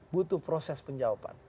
butuh proses penjawaban